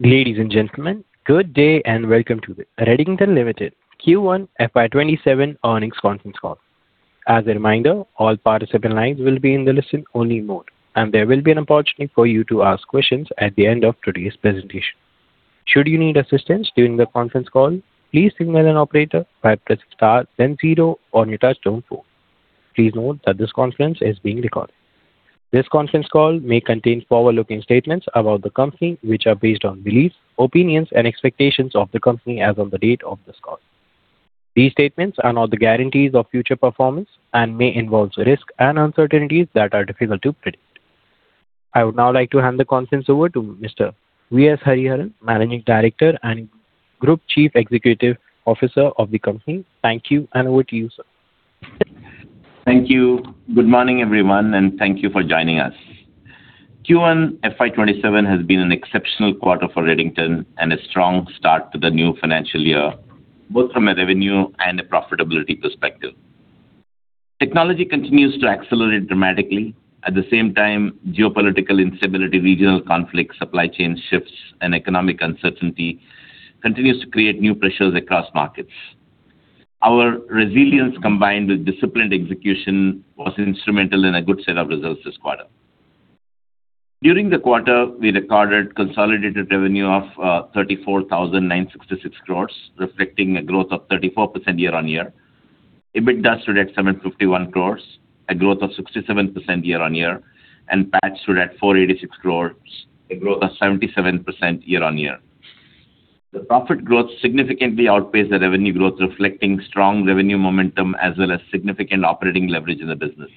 Ladies and gentlemen, good day and welcome to the Redington Limited Q1 FY 2027 Earnings Conference Call. As a reminder, all participant lines will be in the listen-only mode, and there will be an opportunity for you to ask questions at the end of today's presentation. Should you need assistance during the conference call, please signal an operator by pressing star then zero on your touchtone phone. Please note that this conference is being recorded. This conference call may contain forward-looking statements about the company, which are based on beliefs, opinions, and expectations of the company as on the date of this call. These statements are not the guarantees of future performance and may involve risks and uncertainties that are difficult to predict. I would now like to hand the conference over to Mr. V.S. Hariharan, Managing Director and Group Chief Executive Officer of the company. Thank you. Over to you, sir. Thank you. Good morning, everyone. Thank you for joining us. Q1 FY 2027 has been an exceptional quarter for Redington and a strong start to the new financial year, both from a revenue and a profitability perspective. Technology continues to accelerate dramatically. At the same time, geopolitical instability, regional conflict, supply chain shifts, and economic uncertainty continues to create new pressures across markets. Our resilience, combined with disciplined execution, was instrumental in a good set of results this quarter. During the quarter, we recorded consolidated revenue of 34,966 crore, reflecting a growth of 34% year-on-year. EBITDA stood at 751 crore, a growth of 67% year-on-year, and PAT stood at 486 crore, a growth of 77% year-on-year. The profit growth significantly outpaced the revenue growth, reflecting strong revenue momentum as well as significant operating leverage in the business.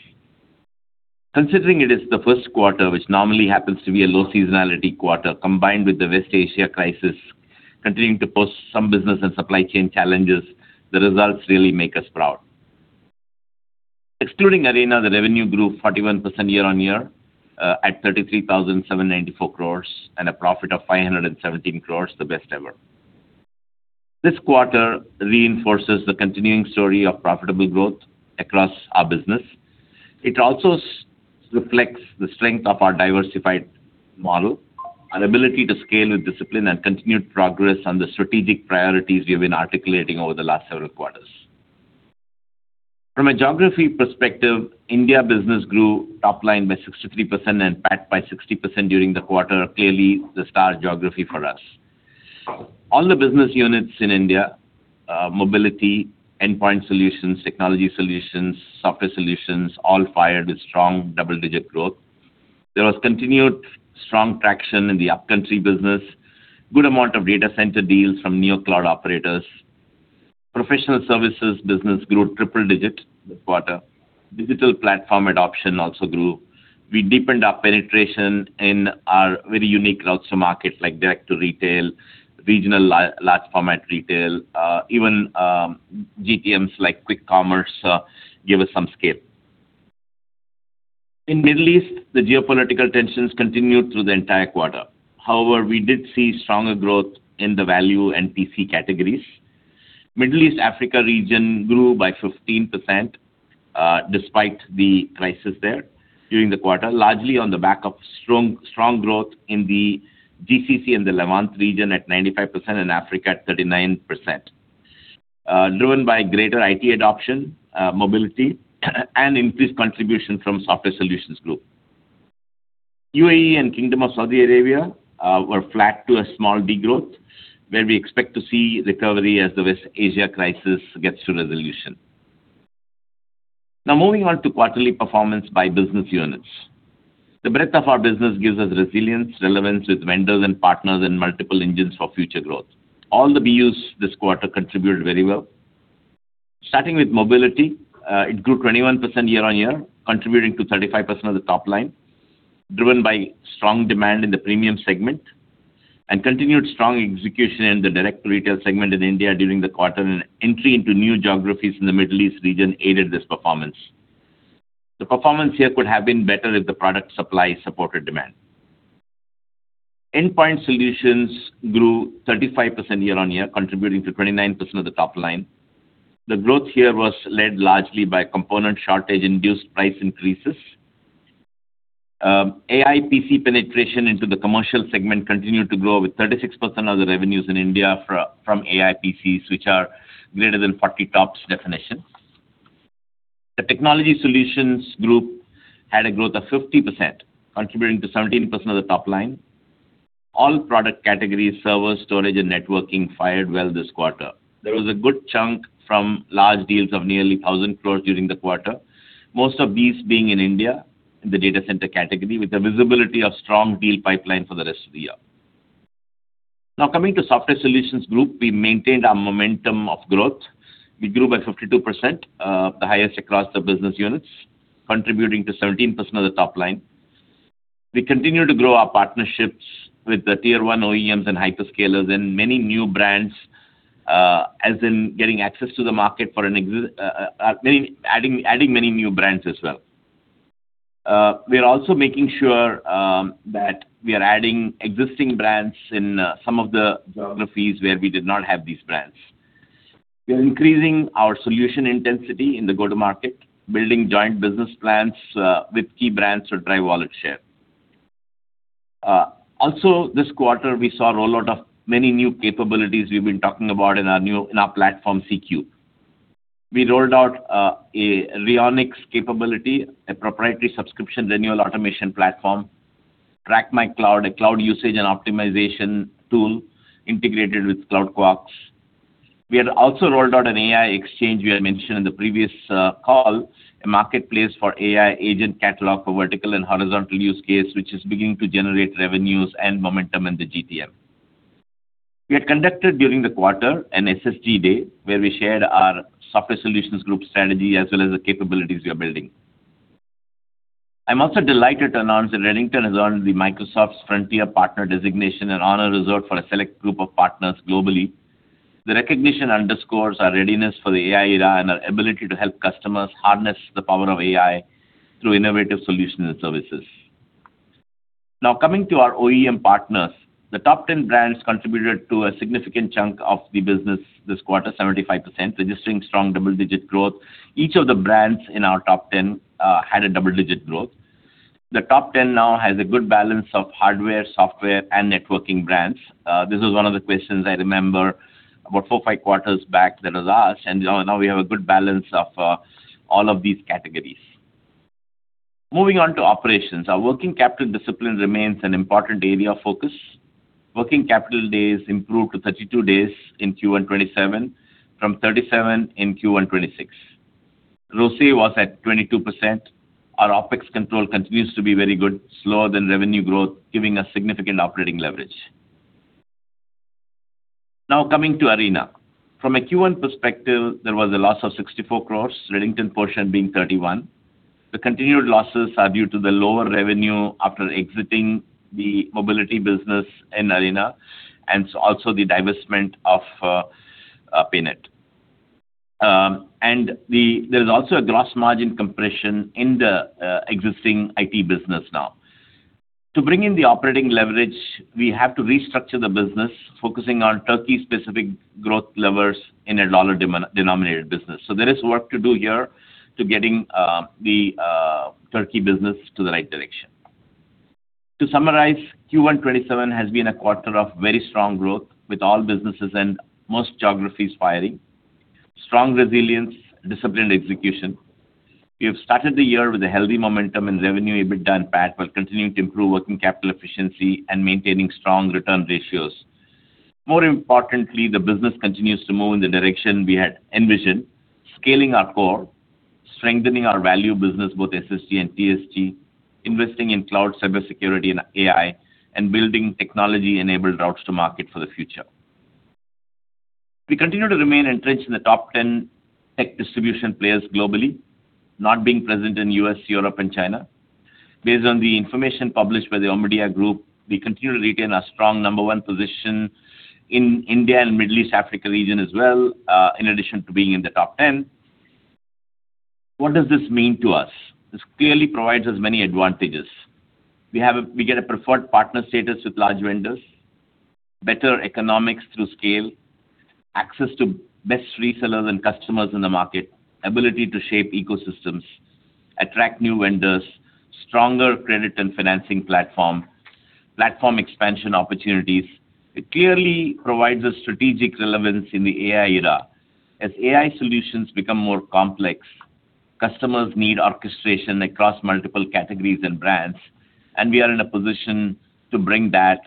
Considering it is the first quarter, which normally happens to be a low seasonality quarter, combined with the West Asia crisis continuing to pose some business and supply chain challenges, the results really make us proud. Excluding Arena, the revenue grew 41% year-on-year, at 33,794 crore, and a profit of 517 crore, the best ever. This quarter reinforces the continuing story of profitable growth across our business. It also reflects the strength of our diversified model, our ability to scale with discipline, and continued progress on the strategic priorities we've been articulating over the last several quarters. From a geography perspective, India business grew top-line by 63% and PAT by 60% during the quarter. Clearly, the star geography for us. All the business units in India, mobility, endpoint solutions, technology solutions, software solutions, all fired with strong double-digit growth. There was continued strong traction in the upcountry business, good amount of data center deals from new cloud operators. Professional services business grew triple-digit this quarter. Digital platform adoption also grew. We deepened our penetration in our very unique routes to market, like direct to retail, regional large format retail. Even GTMs like quick commerce give us some scale. In Middle East, the geopolitical tensions continued through the entire quarter. However, we did see stronger growth in the value [TAEC] categories. Middle East, Africa region grew by 15%, despite the crisis there during the quarter, largely on the back of strong growth in the GCC and the Levant region at 95% and Africa at 39%, driven by greater IT adoption, mobility and increased contribution from Software Solutions Group. UAE and Kingdom of Saudi Arabia are flat to a small degrowth where we expect to see recovery as the West Asia crisis gets to resolution. Moving on to quarterly performance by business units. The breadth of our business gives us resilience, relevance with vendors and partners, and multiple engines for future growth. All the BUs this quarter contributed very well. Starting with mobility, it grew 21% year-on-year, contributing to 35% of the top line, driven by strong demand in the premium segment and continued strong execution in the direct retail segment in India during the quarter, and entry into new geographies in the Middle East region aided this performance. The performance here could have been better if the product supply supported demand. Endpoint Solutions grew 35% year-on-year, contributing to 29% of the top line. The growth here was led largely by component shortage-induced price increases. AIPC penetration into the commercial segment continued to grow with 36% of the revenues in India from AIPCs, which are greater than 40 TOPS definition. The Technology Solutions Group had a growth of 50%, contributing to 17% of the top line. All product categories, server storage and networking fired well this quarter. There was a good chunk from large deals of nearly 1,000 crores during the quarter, most of these being in India in the data center category with the visibility of strong deal pipeline for the rest of the year. Coming to Software Solutions Group, we maintained our momentum of growth. We grew by 52%, the highest across the business units, contributing to 17% of the top line. We continue to grow our partnerships with the Tier 1 OEMs and hyperscalers and many new brands, as in getting access to the market for adding many new brands as well. We are also making sure that we are adding existing brands in some of the geographies where we did not have these brands. We are increasing our solution intensity in the go-to-market, building joint business plans with key brands to drive wallet share. This quarter, we saw a rollout of many new capabilities we've been talking about in our platform, CQ. We rolled out a Rionics capability, a proprietary subscription renewal automation platform. TrackMyCloud, a cloud usage and optimization tool integrated with CloudQuarks. We had also rolled out an AI Exchange we had mentioned in the previous call, a marketplace for AI agent catalog for vertical and horizontal use case, which is beginning to generate revenues and momentum in the GTM. We had conducted during the quarter an SSG day, where we shared our Software Solutions Group strategy as well as the capabilities we are building. I am also delighted to announce that Redington has earned the Microsoft Frontier Partner designation, an honor reserved for a select group of partners globally. The recognition underscores our readiness for the AI era and our ability to help customers harness the power of AI through innovative solutions and services. Now, coming to our OEM partners. The top 10 brands contributed to a significant chunk of the business this quarter, 75%, registering strong double-digit growth. Each of the brands in our top 10 had a double-digit growth. The top 10 now has a good balance of hardware, software, and networking brands. This was one of the questions I remember about four or five quarters back that was asked, and now we have a good balance of all of these categories. Moving on to operations. Our working capital discipline remains an important area of focus. Working capital days improved to 32 days in Q1 2027 from 37 in Q1 2026. ROCE was at 22%. Our OpEx control continues to be very good, slower than revenue growth, giving us significant operating leverage. Now, coming to Arena. From a Q1 perspective, there was a loss of 64 crores, Redington portion being 31. The continued losses are due to the lower revenue after exiting the mobility business in Arena and also the divestment of Paynet. There is also a gross margin compression in the existing IT business now. To bring in the operating leverage, we have to restructure the business, focusing on Turkey-specific growth levers in a dollar-denominated business. There is work to do here to getting the Turkey business to the right direction. To summarize, Q1 2027 has been a quarter of very strong growth with all businesses and most geographies firing. Strong resilience, disciplined execution. We have started the year with a healthy momentum in revenue, EBITDA, and PAT while continuing to improve working capital efficiency and maintaining strong return ratios. More importantly, the business continues to move in the direction we had envisioned, scaling our core, strengthening our value business, both SSG and TSG, investing in cloud cybersecurity and AI, and building technology-enabled routes to market for the future. We continue to remain entrenched in the top 10 tech distribution players globally, not being present in U.S., Europe, and China. Based on the information published by the Omdia Group, we continue to retain our strong number 1 position in India and Middle East Africa region as well, in addition to being in the top 10. What does this mean to us? This clearly provides us many advantages. We get a preferred partner status with large vendors, better economics through scale, access to best resellers and customers in the market, ability to shape ecosystems, attract new vendors, stronger credit and financing platform expansion opportunities. It clearly provides a strategic relevance in the AI era. As AI solutions become more complex, customers need orchestration across multiple categories and brands, we are in a position to bring that,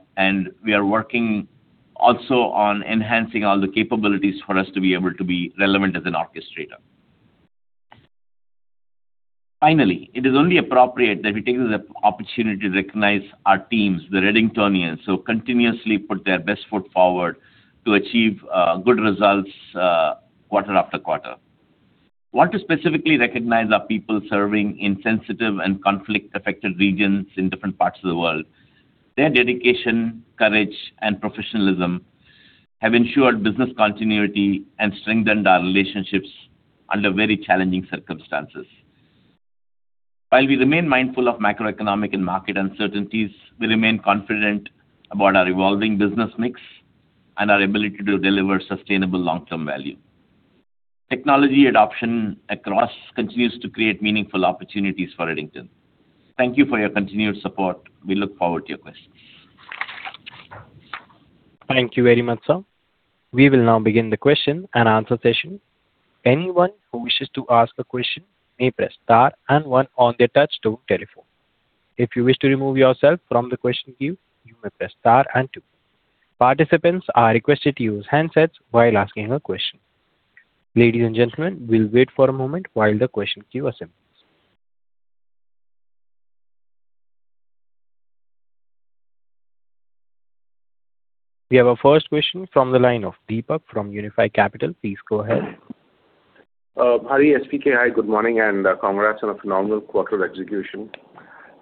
we are working also on enhancing all the capabilities for us to be able to be relevant as an orchestrator. Finally, it is only appropriate that we take this opportunity to recognize our teams, the Redingtonians, who continuously put their best foot forward to achieve good results quarter-after-quarter. We want to specifically recognize our people serving in sensitive and conflict-affected regions in different parts of the world. Their dedication, courage, and professionalism have ensured business continuity and strengthened our relationships under very challenging circumstances. While we remain mindful of macroeconomic and market uncertainties, we remain confident about our evolving business mix and our ability to deliver sustainable long-term value. Technology adoption across continues to create meaningful opportunities for Redington. Thank you for your continued support. We look forward to your questions. Thank you very much, sir. We will now begin the question-and-answer session. Anyone who wishes to ask a question may press star and one on their touch-tone telephone. If you wish to remove yourself from the question queue, you may press star and two. Participants are requested to use handsets while asking a question. Ladies and gentlemen, we will wait for a moment while the question queue assembles. We have our first question from the line of Deepak from Unifi Capital. Please go ahead. Hari, S.V.K. Hi, good morning and congrats on a phenomenal quarter execution.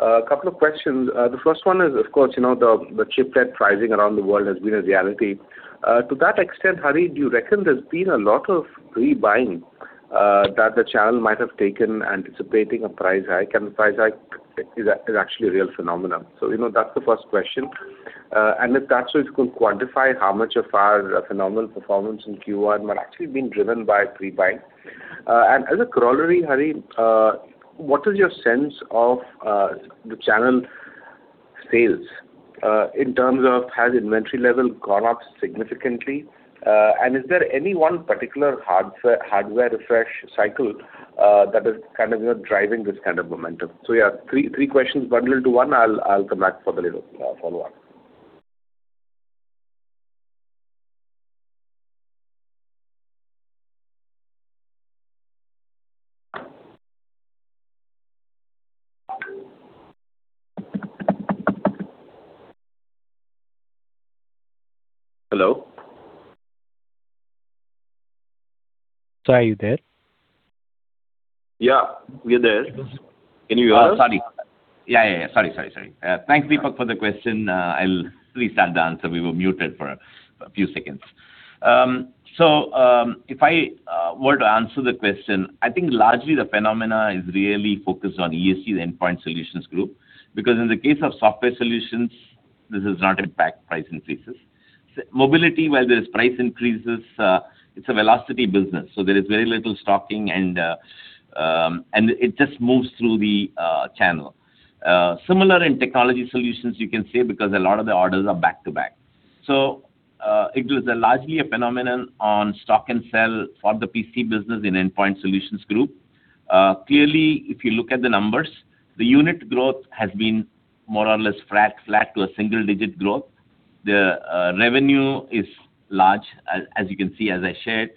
A couple of questions. The first one is, of course, the chiplet pricing around the world has been a reality. To that extent, Hari, do you reckon there has been a lot of rebuying that the channel might have taken anticipating a price hike, and the price hike is actually a real phenomenon. That is the first question. If that is so, if you could quantify how much of our phenomenal performance in Q1 might actually have been driven by pre-buy. As a corollary, Hari, what is your sense of the channel sales in terms of has inventory level gone up significantly? Is there any one particular hardware refresh cycle that is kind of driving this kind of momentum? Yeah, three questions, bundled into one. I will come back for the little follow-up. Hello? Sir, are you there? Yeah, we are there. Can you hear us? Sorry. Thanks, Deepak, for the question. I'll restart the answer. We were muted for a few seconds. If I were to answer the question, I think largely the phenomenon is really focused on ESG, the Endpoint Solutions Group. In the case of software solutions, this has not impacted price increases. Mobility, where there's price increases, it's a velocity business, there is very little stocking and it just moves through the channel. Similar in technology solutions, you can say, because a lot of the orders are back to back. It is largely a phenomenon on stock and sell for the PC business in Endpoint Solutions Group. Clearly, if you look at the numbers, the unit growth has been more or less flat to a single-digit growth. The revenue is large, as you can see, as I shared,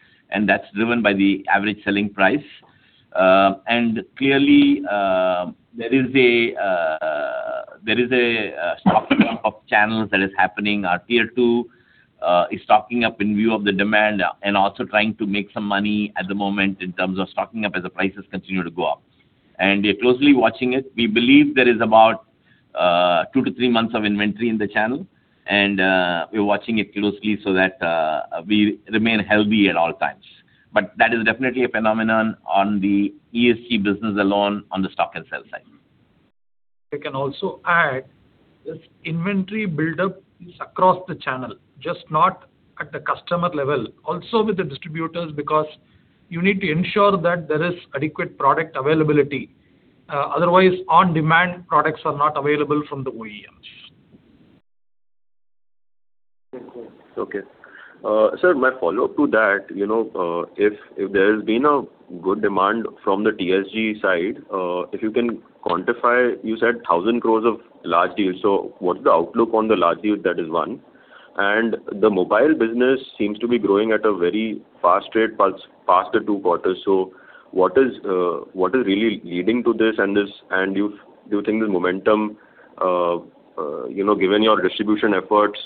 that's driven by the average selling price. Clearly, there is a stocking up of channels that is happening. Our Tier 2 is stocking up in view of the demand and also trying to make some money at the moment in terms of stocking up as the prices continue to go up. We are closely watching it. We believe there is about 2-3 months of inventory in the channel, and we're watching it closely so that we remain healthy at all times. That is definitely a phenomenon on the ESG business alone on the stock and sell side. I can also add, this inventory buildup is across the channel, just not at the customer level. Also with the distributors, because you need to ensure that there is adequate product availability, otherwise on-demand products are not available from the OEMs. Okay. Sir, my follow-up to that, if there's been a good demand from the TSG side, if you can quantify, you said 1,000 crores of large deals. What's the outlook on the large deals? That is one. The mobile business seems to be growing at a very fast rate, past the two quarters. What is really leading to this and this? Do you think the momentum, given your distribution efforts,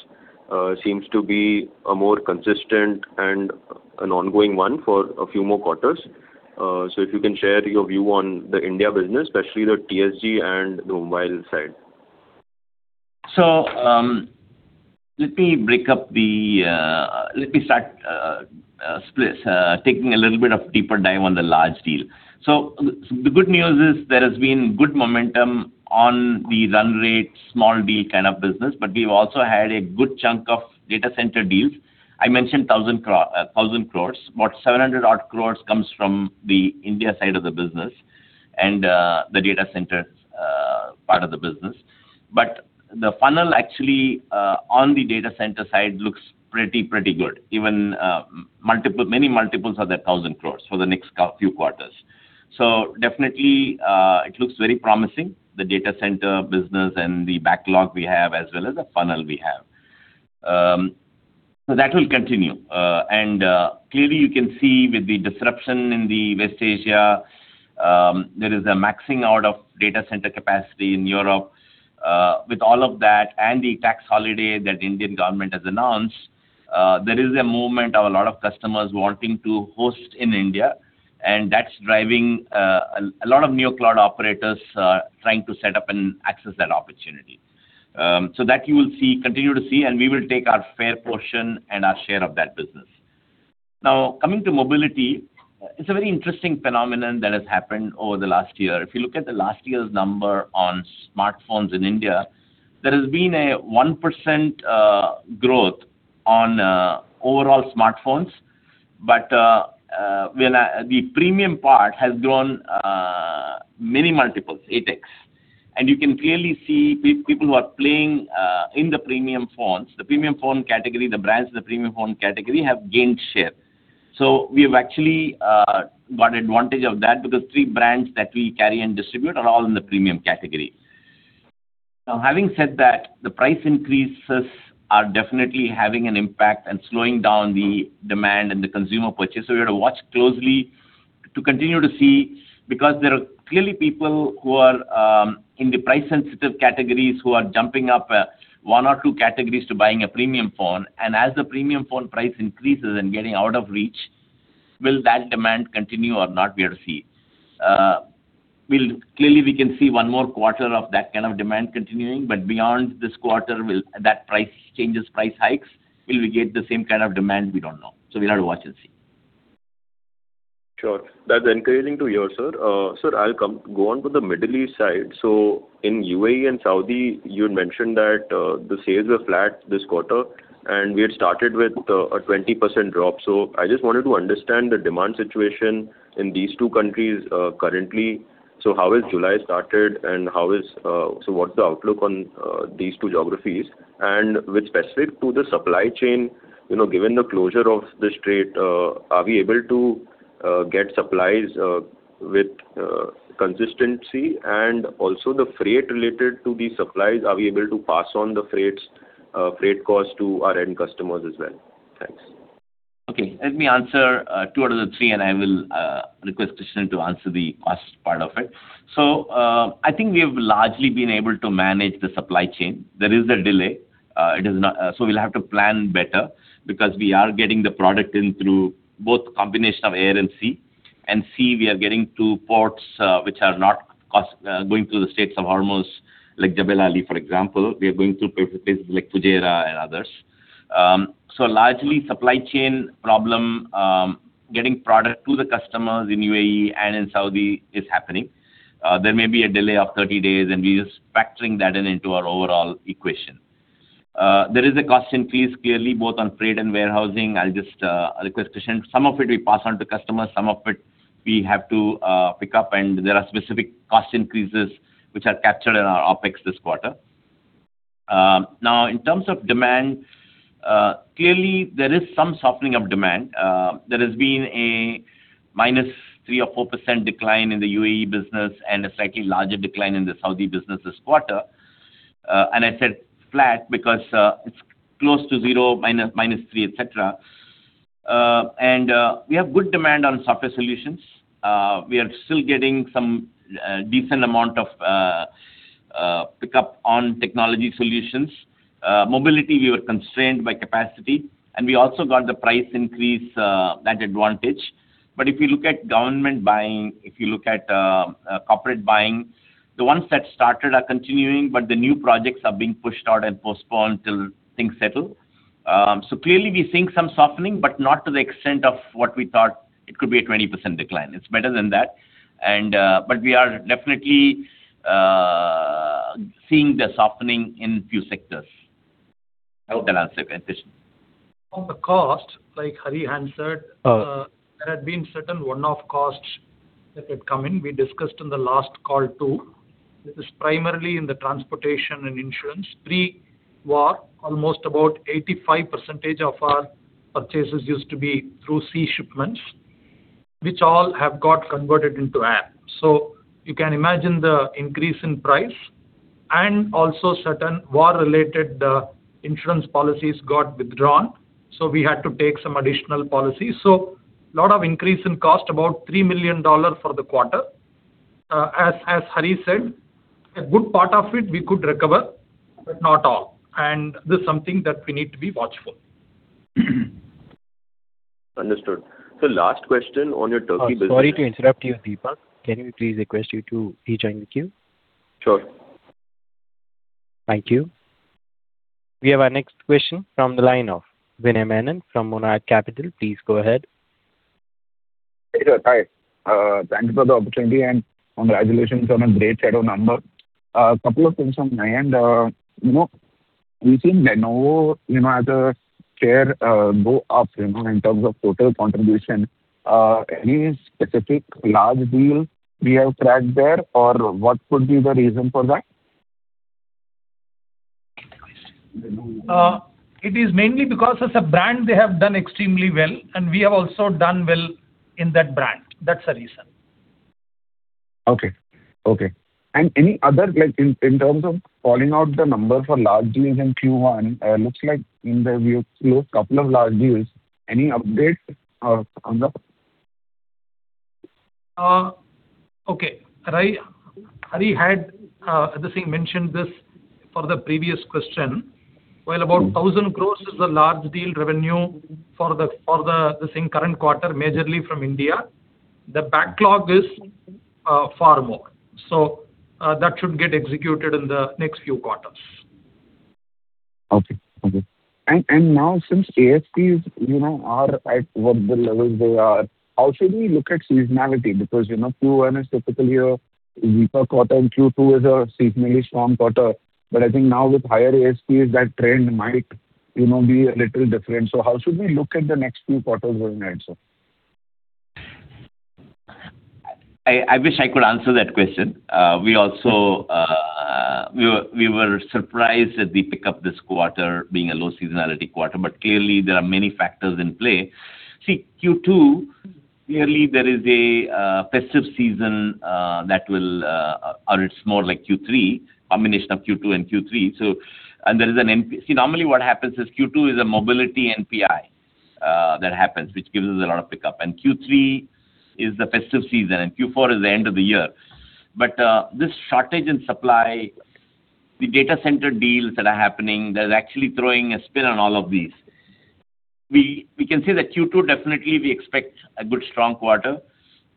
seems to be a more consistent and an ongoing one for a few more quarters? If you can share your view on the India business, especially the TSG and the mobile side. Let me start taking a little bit of a deeper dive on the large deal. The good news is there has been good momentum on the run rate, small D kind of business, but we've also had a good chunk of data center deals. I mentioned 1,000 crores. About 700 odd crores comes from the India side of the business and the data center part of the business. The funnel actually, on the data center side, looks pretty good. Even many multiples of that 1,000 crores for the next few quarters. Definitely, it looks very promising, the data center business and the backlog we have as well as the funnel we have. That will continue. Clearly you can see with the disruption in the West Asia, there is a maxing out of data center capacity in Europe. With all of that and the tax holiday that the Indian government has announced, there is a movement of a lot of customers wanting to host in India, and that's driving a lot of new cloud operators trying to set up and access that opportunity. That you will continue to see, and we will take our fair portion and our share of that business. Now, coming to mobility, it's a very interesting phenomenon that has happened over the last year. If you look at the last year's number on smartphones in India, there has been a 1% growth on overall smartphones. The premium part has grown many multiples, 8x. You can clearly see people who are playing in the premium phones, the premium phone category, the brands in the premium phone category, have gained share. We have actually got advantage of that because three brands that we carry and distribute are all in the premium category. Having said that, the price increases are definitely having an impact and slowing down the demand and the consumer purchase. We have to watch closely to continue to see, because there are clearly people who are in the price-sensitive categories who are jumping up one or two categories to buying a premium phone. As the premium phone price increases and getting out of reach, will that demand continue or not? We'll have to see. Clearly, we can see one more quarter of that kind of demand continuing, beyond this quarter, will that price changes, price hikes, will we get the same kind of demand? We don't know. We'll have to watch and see. Sure. That's encouraging to hear, sir. Sir, I'll go on to the Middle East side. In UAE and Saudi, you had mentioned that the sales were flat this quarter, we had started with a 20% drop. I just wanted to understand the demand situation in these two countries currently. How has July started, what's the outlook on these two geographies? With specific to the supply chain, given the closure of the Strait, are we able to get supplies with consistency? Also the freight related to these supplies, are we able to pass on the freight cost to our end customers as well? Thanks. Okay. Let me answer two out of the three, I will request Krishnan to answer the last part of it. I think we have largely been able to manage the supply chain. There is a delay, we'll have to plan better because we are getting the product in through both combination of air and sea. Sea, we are getting two ports which are not going through the Strait of Hormuz, like Jebel Ali, for example. We are going through places like Fujairah and others. Largely, supply chain problem, getting product to the customers in UAE and in Saudi is happening. There may be a delay of 30 days, we're just factoring that in into our overall equation. There is a cost increase, clearly, both on freight and warehousing. I'll just request Krishnan. Some of it we pass on to customers, some of it we have to pick up, there are specific cost increases which are captured in our OpEx this quarter. In terms of demand, clearly there is some softening of demand. There has been a -3% or 4% decline in the UAE business, a slightly larger decline in the Saudi business this quarter. I said flat because it's close to zero, -3%, et cetera. We have good demand on software solutions. We are still getting some decent amount of pick up on technology solutions. Mobility, we were constrained by capacity, we also got the price increase that advantage. If you look at government buying, if you look at corporate buying, the ones that started are continuing, the new projects are being pushed out and postponed till things settle. Clearly we're seeing some softening, but not to the extent of what we thought. It could be a 20% decline. It's better than that. We are definitely seeing the softening in few sectors. I hope that answered that question. On the cost, like Hari had said, there had been certain one-off costs that had come in. We discussed in the last call, too. This is primarily in the transportation and insurance. Pre-war, almost about 85% of our purchases used to be through sea shipments, which all have got converted into air. You can imagine the increase in price. Also certain war-related insurance policies got withdrawn, so we had to take some additional policies. Lot of increase in cost, about $3 million for the quarter. As Hari said, a good part of it we could recover, but not all. This is something that we need to be watchful. Understood. Last question on your Turkey business. Sorry to interrupt you, Deepak. Can we please request you to rejoin the queue? Sure. Thank you. We have our next question from the line of Vinay Menon from Monarch Capital. Please go ahead. Hey, hi. Thank you for the opportunity and congratulations on a great set of numbers. A couple of things from my end. We've seen Lenovo, as a share, go up in terms of total contribution. Any specific large deal we have cracked there, or what could be the reason for that? Repeat the question. Lenovo. It is mainly because as a brand, they have done extremely well, and we have also done well in that brand. That's the reason. Okay, okay. Any other, in terms of calling out the numbers for large deals in Q1, it looks like in there we have closed couple of large deals. Any update on the- Okay. Hari had, as I mentioned this for the previous question. Well, about 1,000 crore is the large deal revenue for the same current quarter, majorly from India. The backlog is far more. That should get executed in the next few quarters. Okay. Now since ASPs are at what the levels they are, how should we look at seasonality? Because Q1 is typically a weaker quarter and Q2 is a seasonally strong quarter. I think now with higher ASPs, that trend might be a little different. How should we look at the next few quarters going ahead, sir? I wish I could answer that question. We were surprised at the pickup this quarter being a low seasonality quarter. Clearly, there are many factors in play. Q2, clearly there is a festive season that will. It's more like Q3, combination of Q2 and Q3. Normally what happens is Q2 is a mobility NPI that happens, which gives us a lot of pickup. Q3 is the festive season, and Q4 is the end of the year. This shortage in supply, the data center deals that are happening, that is actually throwing a spin on all of these. We can say that Q2, definitely we expect a good strong quarter.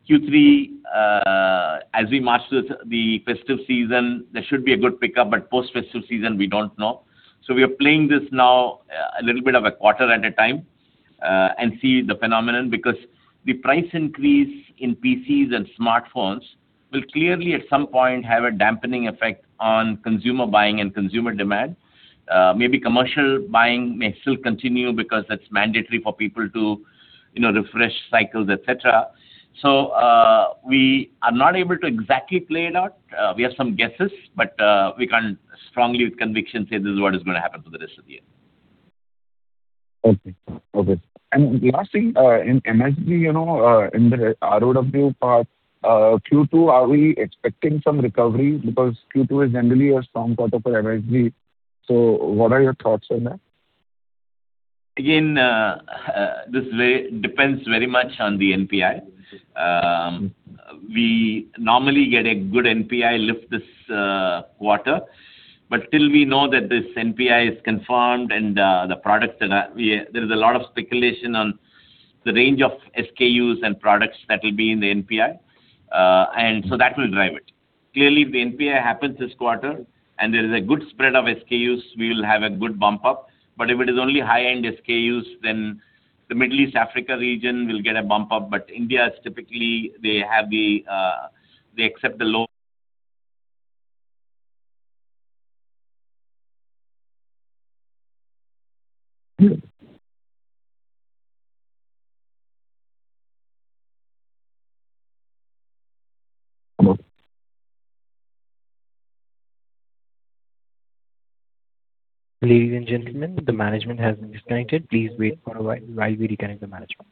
Q3. As we master the festive season, there should be a good pickup, but post-festive season, we don't know. We are playing this now a little bit of a quarter at a time and see the phenomenon, because the price increase in PCs and smartphones will clearly at some point have a dampening effect on consumer buying and consumer demand. Maybe commercial buying may still continue because that's mandatory for people to refresh cycles, et cetera. We are not able to exactly play it out. We have some guesses, but we can't strongly with conviction say this is what is going to happen for the rest of the year. Okay. Last thing, in MSG, in the ROW part, Q2, are we expecting some recovery? Q2 is generally a strong quarter for MSG, so what are your thoughts on that? Again, this depends very much on the NPI. Till we know that this NPI is confirmed and the product that. There is a lot of speculation on the range of SKUs and products that will be in the NPI. That will drive it. Clearly, if the NPI happens this quarter and there is a good spread of SKUs, we will have a good bump up. If it is only high-end SKUs, then the Middle East, Africa region will get a bump up. India is typically, they accept the low- Ladies and gentlemen, the management has been disconnected. Please wait for a while. While we reconnect the management.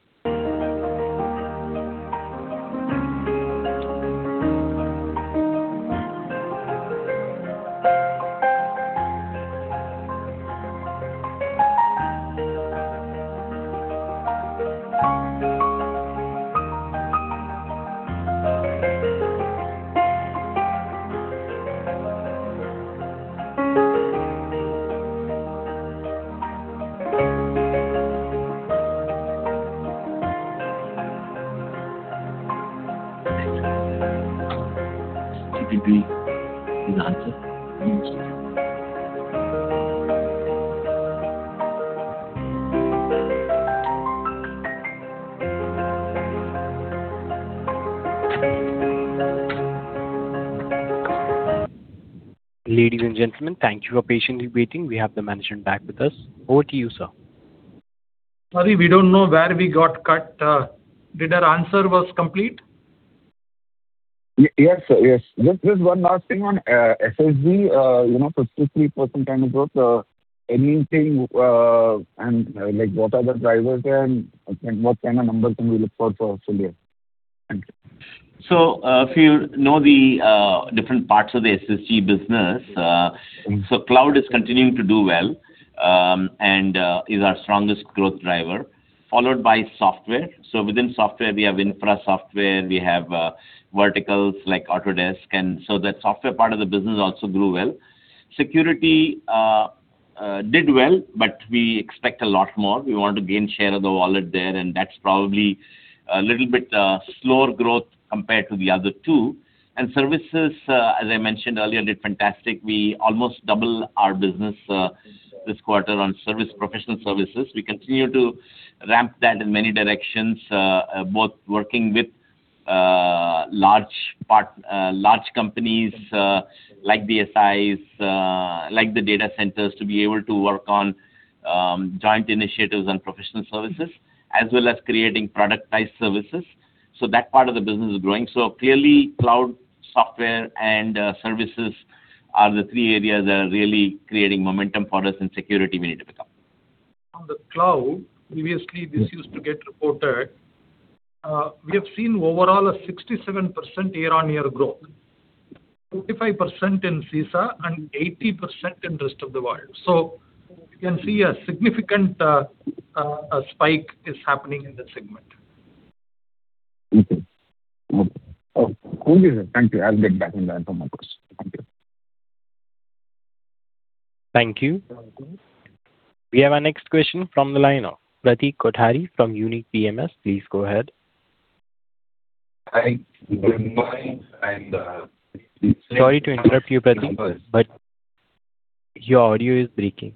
Ladies and gentlemen, thank you for patiently waiting. We have the management back with us. Over to you, sir. Sorry, we don't know where we got cut. Did our answer was complete? Yes. Just one last thing on SSG, 53% kind of growth. Anything, like what are the drivers there and what kind of numbers can we look for for next year? Thank you. If you know the different parts of the SSG business. Cloud is continuing to do well, and is our strongest growth driver, followed by software. Within software, we have infra software, we have verticals like Autodesk, that software part of the business also grew well. Security did well, we expect a lot more. We want to gain share of the wallet there, that's probably a little bit slower growth compared to the other two. Services, as I mentioned earlier, did fantastic. We almost double our business this quarter on service professional services. We continue to ramp that in many directions, both working with large companies like the SIs, like the data centers, to be able to work on joint initiatives and professional services, as well as creating productized services. That part of the business is growing. Clearly cloud software and services are the three areas that are really creating momentum for us in security we need to become. On the cloud, previously this used to get reported. We have seen overall a 67% year-on-year growth, 45% in SISA and 80% in Rest of the World. You can see a significant spike is happening in that segment. Okay. Cool. Thank you. I'll get back on that for my question. Thank you. Thank you. We have our next question from the line of Pratik Kothari from Unique PMS. Please go ahead. Hi, good morning. Sorry to interrupt you, Pratik, your audio is breaking.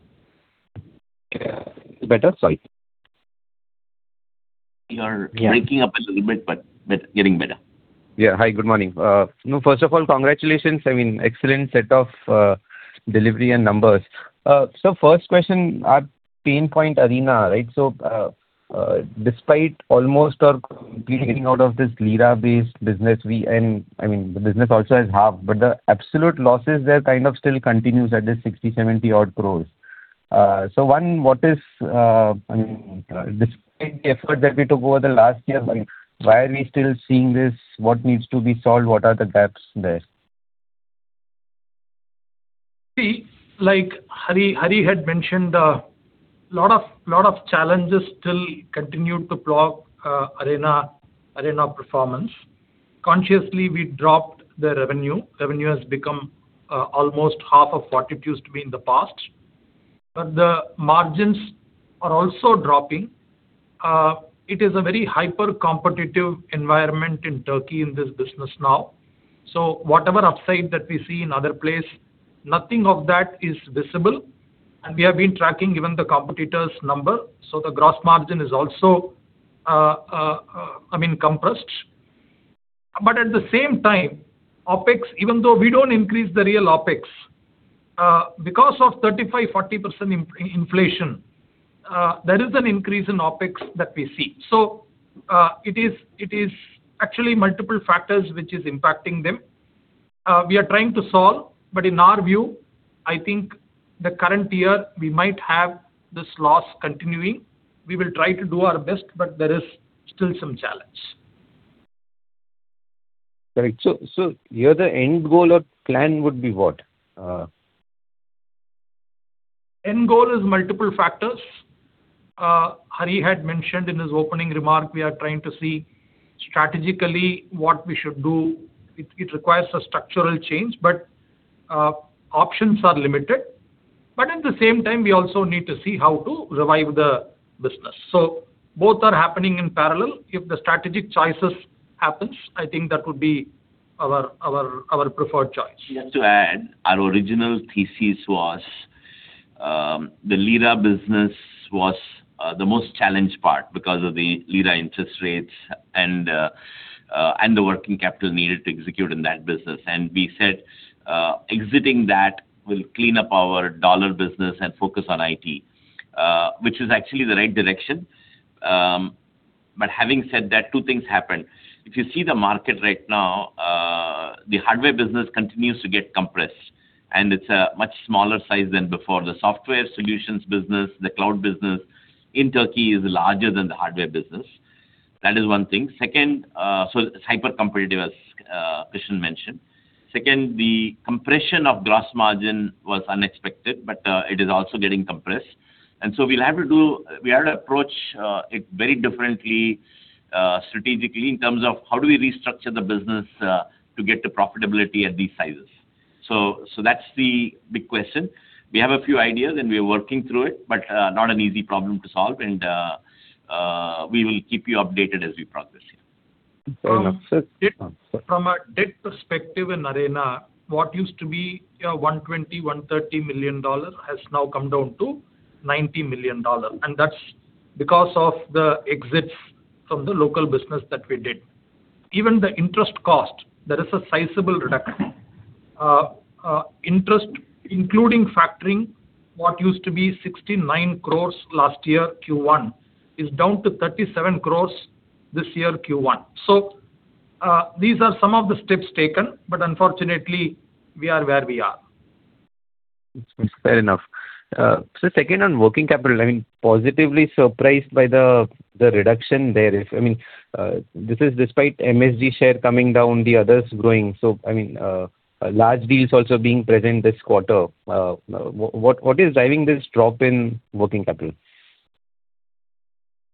Yeah. Better? Sorry. You're breaking up a little bit, but getting better. Hi, good morning. First of all, congratulations. Excellent set of delivery and numbers. First question, our pain point Arena. Despite almost or completely getting out of this lira-based business, I mean, the business also is half, but the absolute losses there kind of still continues at this 60 crore, 70 crore. Despite the effort that we took over the last year, why are we still seeing this? What needs to be solved? What are the gaps there? Pratik, like Hari had mentioned, lot of challenges still continued to block Arena performance. Consciously, we dropped the revenue. Revenue has become almost half of what it used to be in the past. The margins are also dropping. It is a very hyper-competitive environment in Turkey in this business now. Whatever upside that we see in other place, nothing of that is visible. We have been tracking even the competitors' number, the gross margin is also compressed. At the same time, even though we don't increase the real OpEx, because of 35%-40% inflation, there is an increase in OpEx that we see. It is actually multiple factors which is impacting them. We are trying to solve, but in our view, I think the current year we might have this loss continuing. We will try to do our best, but there is still some challenge. Correct. Here the end goal or plan would be what? End goal is multiple factors. Hari had mentioned in his opening remark, we are trying to see strategically what we should do. Options are limited. At the same time, we also need to see how to revive the business. Both are happening in parallel. If the strategic choices happens, I think that would be our preferred choice. Just to add, our original thesis was, the Lira business was the most challenged part because of the Lira interest rates and the working capital needed to execute in that business. We said exiting that will clean up our dollar business and focus on IT, which is actually the right direction. Having said that, two things happened. If you see the market right now, the hardware business continues to get compressed, and it's a much smaller size than before. The software solutions business, the cloud business in Turkey is larger than the hardware business. That is one thing. It's hyper-competitive, as Krishnan mentioned. Second, the compression of gross margin was unexpected, but it is also getting compressed, we'll have to approach it very differently strategically in terms of how do we restructure the business to get to profitability at these sizes. That's the big question. We have a few ideas and we are working through it, not an easy problem to solve and we will keep you updated as we progress here. Fair enough. From a debt perspective in Arena, what used to be $120 million, $130 million has now come down to $90 million, that's because of the exits from the local business that we did. Even the interest cost, there is a sizable reduction. Interest, including factoring, what used to be 69 crores last year, Q1, is down to 37 crores this year, Q1. These are some of the steps taken, but unfortunately we are where we are. It's fair enough. Sir, second on working capital, I mean, positively surprised by the reduction there. This is despite MSG share coming down, the others growing. Large deals also being present this quarter. What is driving this drop in working capital?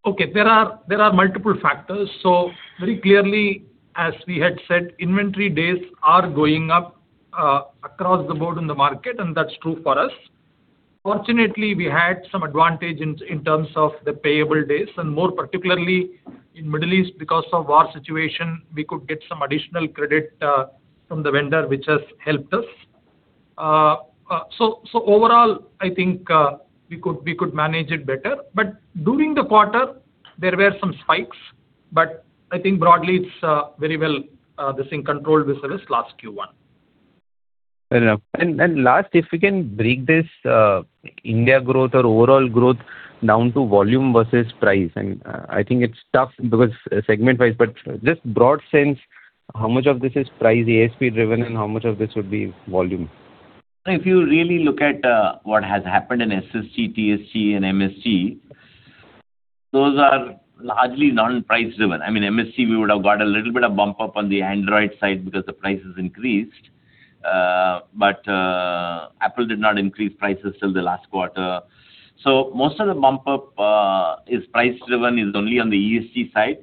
Okay. There are multiple factors. Very clearly, as we had said, inventory days are going up across the board in the market, and that's true for us. Fortunately, we had some advantage in terms of the payable days, and more particularly in Middle East, because of war situation, we could get some additional credit from the vendor, which has helped us. Overall, I think we could manage it better, but during the quarter there were some spikes, but I think broadly it's very well within control this last Q1. Fair enough. Last, if we can break this India growth or overall growth down to volume versus price. I think it's tough because segment-wise, but just broad sense, how much of this is price ASP driven and how much of this would be volume? If you really look at what has happened in SSG, TSG and MSG, those are largely non-price driven. MSG, we would have got a little bit of bump up on the Android side because the prices increased. Apple did not increase prices till the last quarter. Most of the bump up is price driven, is only on the ESG side.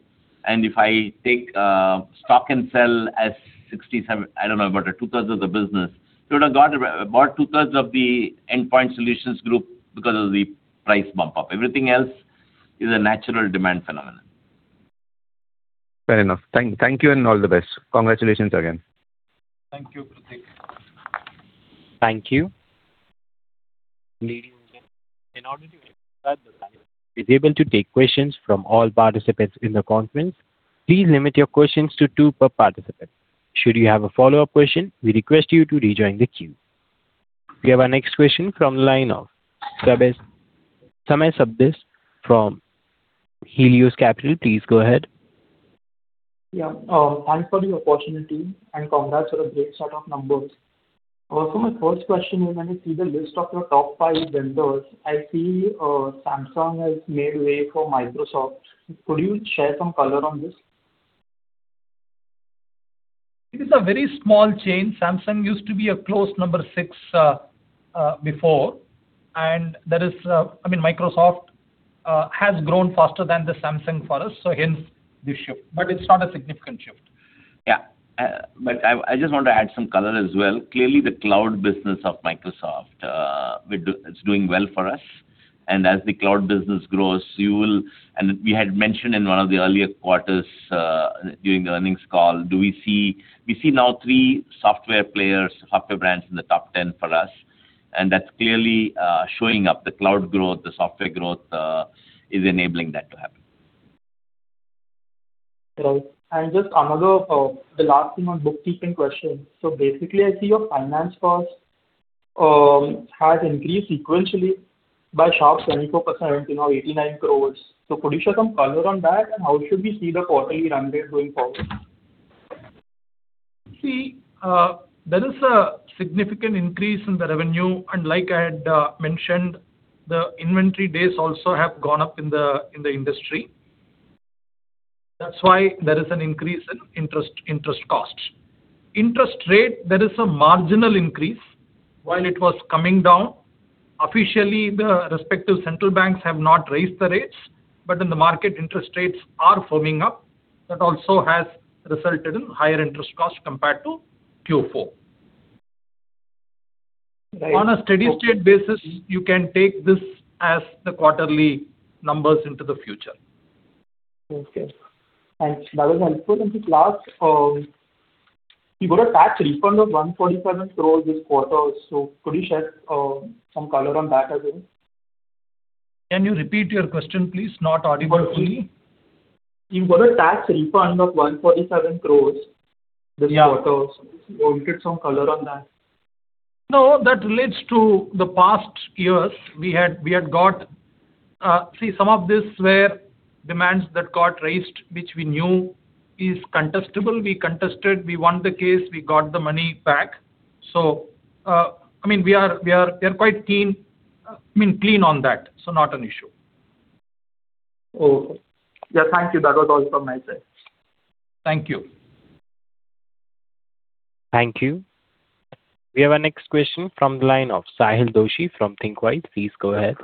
If I take stock and sell ESG, I don't know, about two-thirds of the business, we would have got about two-thirds of the Endpoint Solutions Group because of the price bump up. Everything else is a natural demand phenomenon. Fair enough. Thank you and all the best. Congratulations again. Thank you, Pratik. Thank you. Ladies and gentlemen, in order to ensure that the panel is able to take questions from all participants in the conference, please limit your questions to two per participant. Should you have a follow-up question, we request you to rejoin the queue. We have our next question from line of Samay Sabnis from Helios Capital. Please go ahead. Yeah. Thanks for the opportunity and congrats for a great set of numbers. Also, my first question is, when you see the list of your top five vendors, I see Samsung has made way for Microsoft. Could you share some color on this? It is a very small change. Samsung used to be a close number six before, Microsoft has grown faster than the Samsung for us, so hence the shift. It's not a significant shift. Yeah. I just want to add some color as well. Clearly, the cloud business of Microsoft, it's doing well for us. As the cloud business grows, and we had mentioned in one of the earlier quarters, during the earnings call, we see now three software players, software brands in the top 10 for us, and that's clearly showing up. The cloud growth, the software growth, is enabling that to happen. Right. Just another, the last thing on bookkeeping question. Basically, I see your finance cost has increased sequentially by sharp 24% to now 89 crores. Could you share some color on that? How should we see the quarterly run rate going forward? There is a significant increase in the revenue, like I had mentioned, the inventory days also have gone up in the industry. That's why there is an increase in interest cost. Interest rate, there is a marginal increase. While it was coming down, officially, the respective central banks have not raised the rates, but in the market, interest rates are firming up. That also has resulted in higher interest cost compared to Q4. Right. Okay. On a steady state basis, you can take this as the quarterly numbers into the future. Okay. Thanks. That was helpful. Just last, you got a tax refund of 147 crores this quarter, could you share some color on that as well? Can you repeat your question, please? Not audible fully. You got a tax refund of 147 crores this quarter. Yeah. Just wanted some color on that. No, that relates to the past years. See, some of this were demands that got raised, which we knew is contestable. We contested, we won the case, we got the money back. We are quite clean on that. Not an issue. Okay. Yeah, thank you. That was all from my side. Thank you. Thank you. We have our next question from the line of Sahil Doshi from Thinqwise. Please go ahead.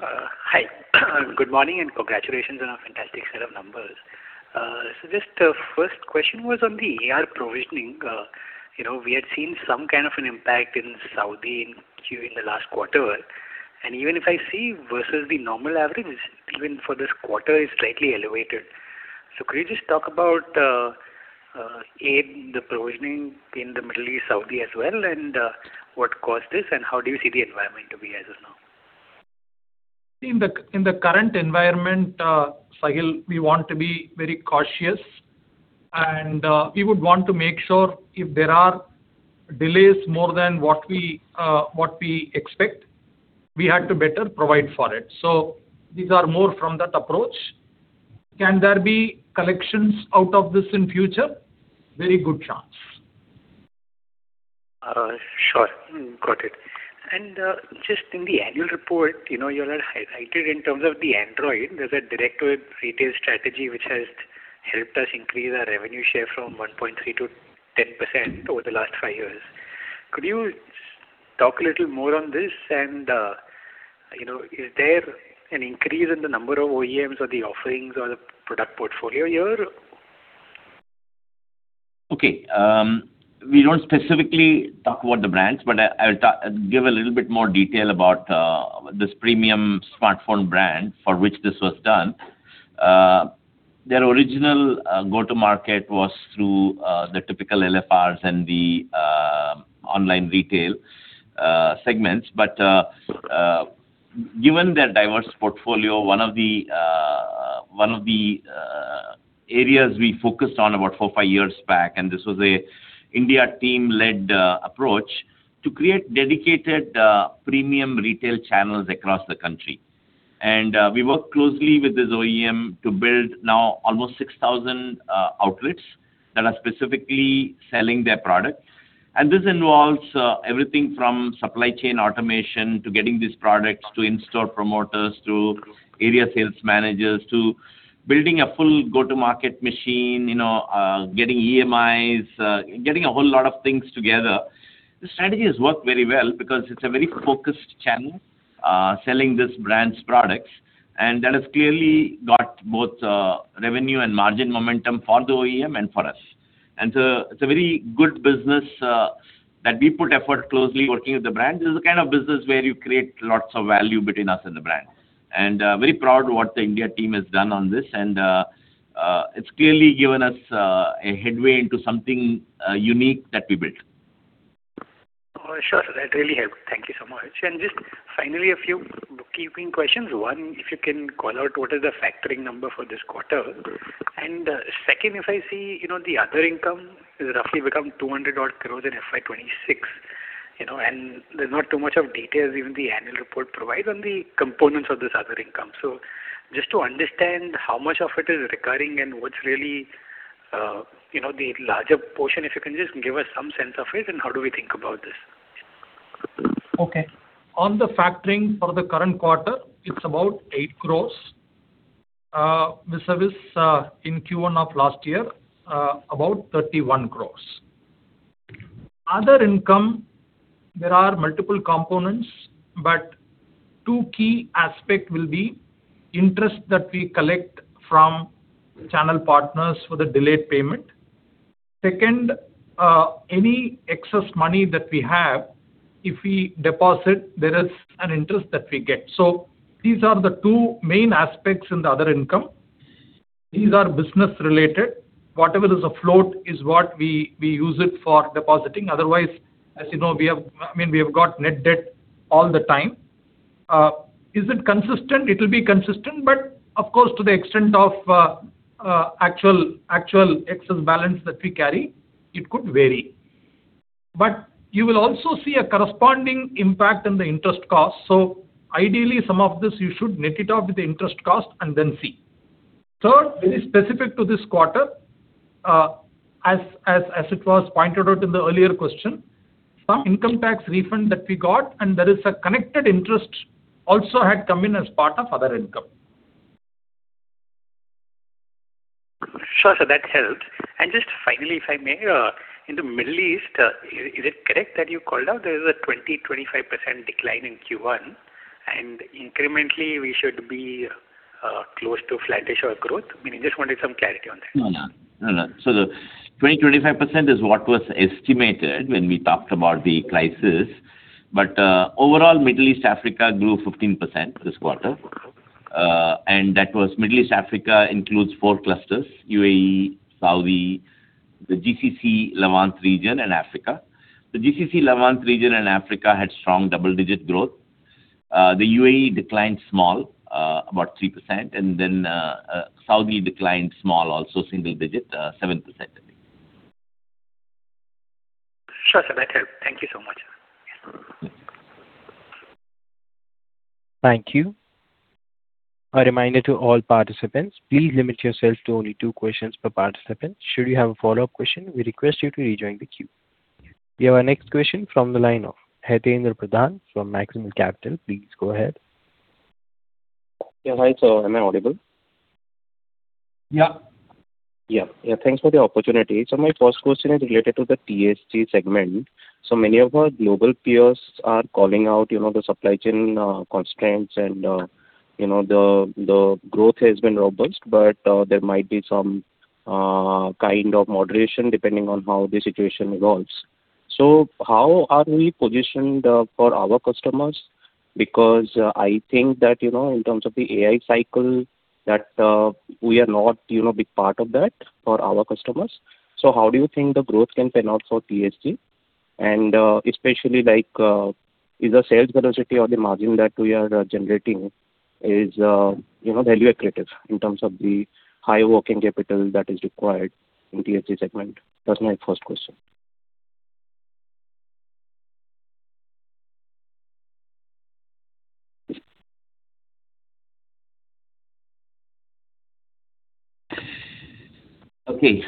Hi. Good morning and congratulations on a fantastic set of numbers. Just the first question was on the AR provisioning. We had seen some kind of an impact in Saudi during the last quarter. Even if I see versus the normal averages, even for this quarter, it's slightly elevated. Could you just talk about, A, the provisioning in the Middle East, Saudi as well, and what caused this, and how do you see the environment to be as of now? In the current environment, Sahil, we want to be very cautious and we would want to make sure if there are delays more than what we expect, we had to better provide for it. These are more from that approach. Can there be collections out of this in future? Very good chance. Sure. Got it. Just in the Annual Report, you had highlighted in terms of the Android, there's a direct to retail strategy which has helped us increase our revenue share from 1.3%-10% over the last five years. Could you talk a little more on this? Is there an increase in the number of OEMs or the offerings or the product portfolio here? Okay. We don't specifically talk about the brands, but I'll give a little bit more detail about this premium smartphone brand for which this was done. Their original go-to-market was through the typical LFRs and the online retail segments. Given their diverse portfolio, one of the areas we focused on about four, five years back, this was a India team-led approach to create dedicated premium retail channels across the country. We worked closely with this OEM to build now almost 6,000 outlets that are specifically selling their products. This involves everything from supply chain automation to getting these products to in-store promoters to area sales managers to building a full go-to-market machine, getting EMIs, getting a whole lot of things together. The strategy has worked very well because it's a very focused channel selling this brand's products, that has clearly got both revenue and margin momentum for the OEM and for us. It's a very good business that we put effort closely working with the brand. This is the kind of business where you create lots of value between us and the brand. Very proud of what the India team has done on this, it's clearly given us a headway into something unique that we built. Sure. That really helped. Thank you so much. Just finally, a few bookkeeping questions. One, if you can call out what is the factoring number for this quarter? Second, if I see the other income has roughly become 200 odd crores in FY 2026. There is not too much of details even the Annual Report provide on the components of this other income. Just to understand how much of it is recurring and what is really the larger portion, if you can just give us some sense of it and how do we think about this? On the factoring for the current quarter, it is about 8 crores. The service in Q1 of last year, about 31 crores. Other income, there are multiple components, but two key aspects will be interest that we collect from channel partners for the delayed payment. Second, any excess money that we have, if we deposit, there is an interest that we get. These are the two main aspects in the other income. These are business related. Whatever is afloat is what we use it for depositing. Otherwise, as you know, we have got net debt all the time. Is it consistent? It will be consistent, but of course, to the extent of actual excess balance that we carry, it could vary. You will also see a corresponding impact on the interest cost. Ideally, some of this you should net it off with the interest cost and then see. Third, very specific to this quarter, as it was pointed out in the earlier question, some income tax refund that we got, and there is a connected interest also had come in as part of other income. Sure, sir. That helps. Just finally, if I may, in the Middle East, is it correct that you called out there is a 20%-25% decline in Q1 and incrementally we should be close to flattish or growth? I just wanted some clarity on that. No, no. The 20%-25% is what was estimated when we talked about the crisis. Overall, Middle East, Africa grew 15% this quarter. That was Middle East, Africa includes four clusters: UAE, Saudi, the GCC-Levant region, and Africa. The GCC-Levant region and Africa had strong double-digit growth. The UAE declined small, about 3%, and then Saudi declined small, also single-digit, 7%, I think. Sure, sir. That helps. Thank you so much. Thank you. A reminder to all participants, please limit yourself to only two questions per participant. Should you have a follow-up question, we request you to rejoin the queue. We have our next question from the line of Hitaindra Pradhan from Maximal Capital. Please go ahead. Yeah. Hi. Am I audible? Yeah. Thanks for the opportunity. My first question is related to the PSG segment. Many of our global peers are calling out the supply chain constraints and the growth has been robust, but there might be some kind of moderation depending on how the situation evolves. How are we positioned for our customers? Because I think that in terms of the AI cycle, that we are not big part of that for our customers. How do you think the growth can pan out for PSG? Especially either sales velocity or the margin that we are generating is value accretive in terms of the high working capital that is required in PSG segment. That's my first question. Okay.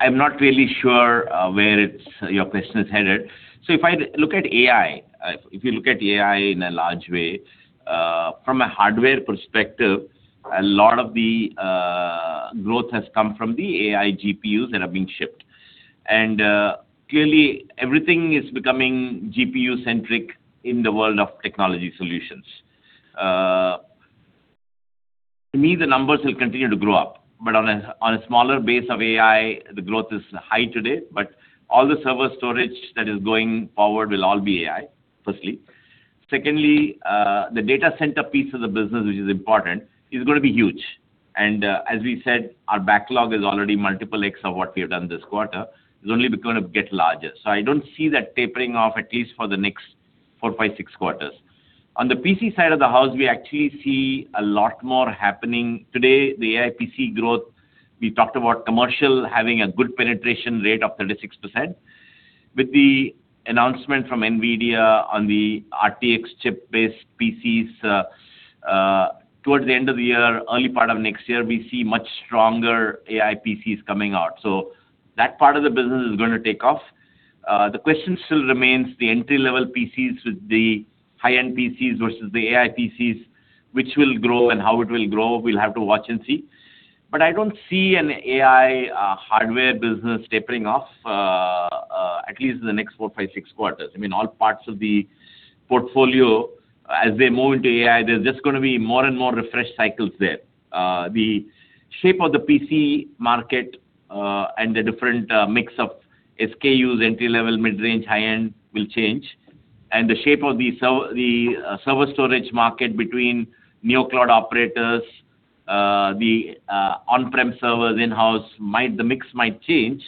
I'm not really sure where your question is headed. If you look at AI in a large way, from a hardware perspective, a lot of the growth has come from the AI GPUs that have been shipped. Clearly everything is becoming GPU centric in the world of technology solutions. To me, the numbers will continue to grow up, but on a smaller base of AI, the growth is high today, but all the server storage that is going forward will all be AI, firstly. Secondly, the data center piece of the business, which is important, is going to be huge. As we said, our backlog is already multiple X of what we have done this quarter. It's only going to get larger. I don't see that tapering off, at least for the next four, five, six quarters. On the PC side of the house, we actually see a lot more happening. Today, the AI PC growth, we talked about commercial having a good penetration rate of 36%. With the announcement from Nvidia on the RTX chip-based PCs towards the end of the year, early part of next year, we see much stronger AI PCs coming out. That part of the business is going to take off. The question still remains the entry-level PCs with the high-end PCs versus the AI PCs, which will grow and how it will grow, we'll have to watch and see. I don't see an AI hardware business tapering off, at least in the next four, five, six quarters. All parts of the portfolio, as they move into AI, there's just going to be more and more refresh cycles there. The shape of the PC market and the different mix of SKUs, entry level, mid-range, high-end will change. The shape of the server storage market between new cloud operators, the on-prem servers in-house, the mix might change,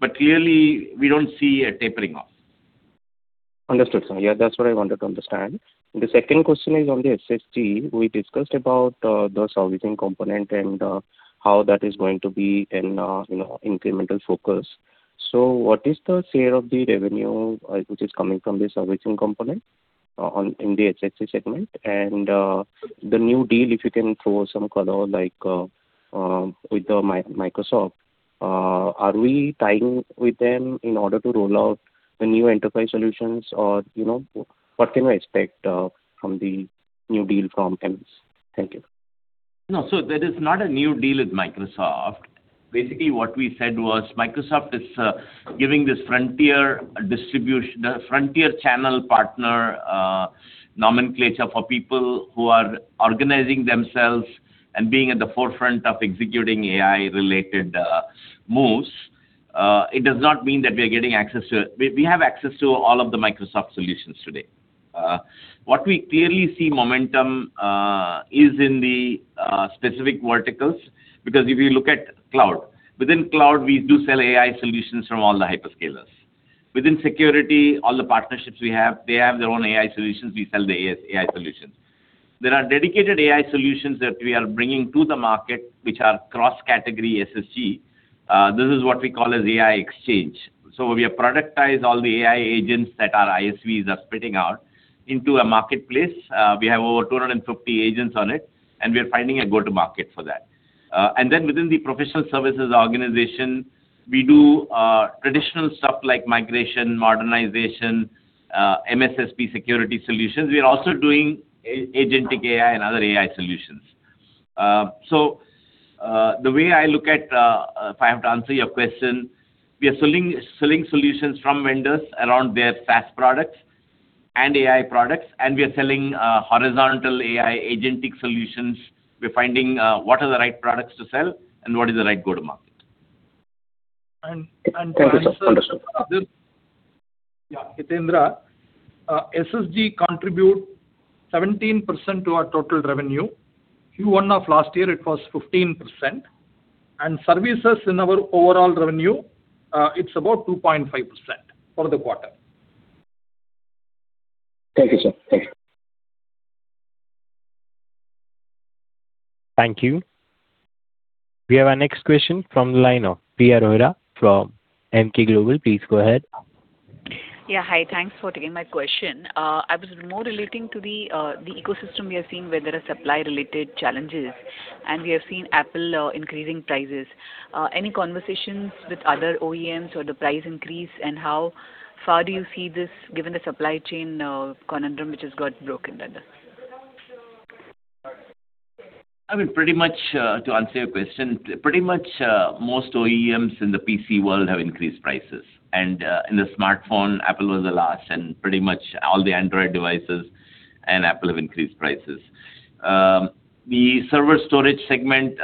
but clearly we don't see a tapering off. Understood, sir. Yeah, that's what I wanted to understand. The second question is on the SSG. We discussed about the servicing component and how that is going to be an incremental focus. What is the share of the revenue which is coming from the servicing component in the SSG segment? The new deal, if you can throw some color, like with Microsoft. Are we tying with them in order to roll out the new enterprise solutions? Or what can I expect from the new deal from MS? Thank you. No. That is not a new deal with Microsoft. Basically, what we said was Microsoft is giving this Frontier Partner nomenclature for people who are organizing themselves and being at the forefront of executing AI-related moves. It does not mean that we have access to all of the Microsoft solutions today. What we clearly see momentum is in the specific verticals. If you look at cloud, within cloud, we do sell AI solutions from all the hyperscalers. Within security, all the partnerships we have, they have their own AI solutions, we sell the AI solutions. There are dedicated AI solutions that we are bringing to the market, which are cross-category SSG. This is what we call as AI Exchange. We have productized all the AI agents that our ISVs are spitting out into a marketplace. We have over 250 agents on it, we are finding a go-to-market for that. Within the professional services organization, we do traditional stuff like migration, modernization, MSSP security solutions. We are also doing agentic AI and other AI solutions. The way I look at, if I have to answer your question, we are selling solutions from vendors around their SaaS products and AI products, we are selling horizontal AI agentic solutions. We're finding what are the right products to sell and what is the right go-to-market. To answer- Thank you, sir. Understood. Yeah, Hitaindra. SSG contribute 17% to our total revenue. Q1 of last year, it was 15%. Services in our overall revenue, it's about 2.5% for the quarter. Thank you, sir. Thank you. Thank you. We have our next question from the line of Priya Rohira from Emkay Global. Please go ahead. Yeah. Hi, thanks for taking my question. I was more relating to the ecosystem we are seeing where there are supply-related challenges. We have seen Apple increasing prices. Any conversations with other OEMs or the price increase, how far do you see this given the supply chain conundrum which has got broken that is? I mean, to answer your question, pretty much most OEMs in the PC world have increased prices. In the smartphone, Apple was the last, pretty much all the Android devices and Apple have increased prices. The server storage segment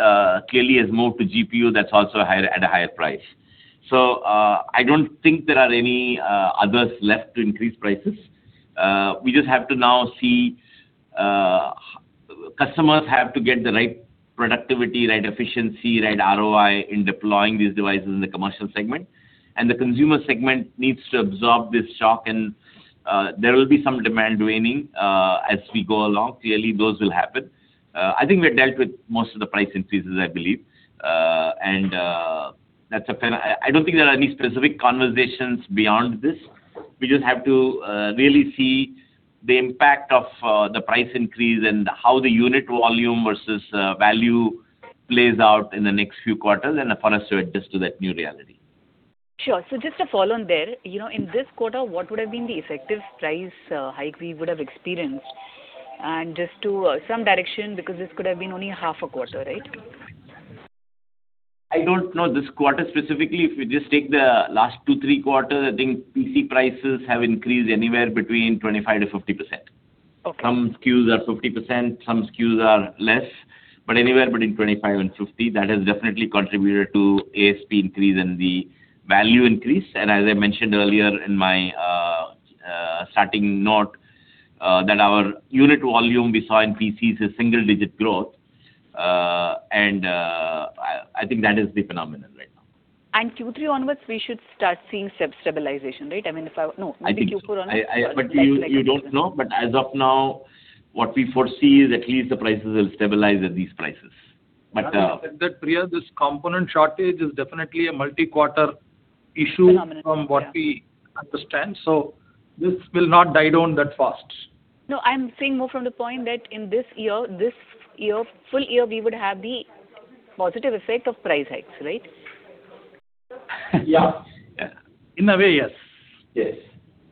clearly has moved to GPU, that is also at a higher price. I don't think there are any others left to increase prices. We just have to now see customers have to get the right productivity, right efficiency, right ROI in deploying these devices in the commercial segment. The consumer segment needs to absorb this shock, there will be some demand waning as we go along. Clearly, those will happen. I think we have dealt with most of the price increases, I believe. I don't think there are any specific conversations beyond this. We just have to really see the impact of the price increase and how the unit volume versus value plays out in the next few quarters, and for us to adjust to that new reality. Sure. Just to follow on there. In this quarter, what would have been the effective price hike we would have experienced? Just to some direction, because this could have been only half a quarter, right? I don't know this quarter specifically. If we just take the last two, three quarters, I think PC prices have increased anywhere between 25%-50%. Okay. Some SKUs are 50%, some SKUs are less, but anywhere between 25% and 50%, that has definitely contributed to ASP increase and the value increase. As I mentioned earlier in my starting note, that our unit volume we saw in PCs is single-digit growth. I think that is the phenomenon right now. Q3 onwards, we should start seeing stabilization, right? I mean, I think so maybe Q4 onwards. You don't know. As of now, what we foresee is at least the prices will stabilize at these prices. Priya, this component shortage is definitely a multi-quarter issue. Phenomenon. Yeah. from what we understand. This will not die down that fast. No, I'm saying more from the point that in this year, this full-year, we would have the positive effect of price hikes, right? Yeah. In a way, yes. Yes.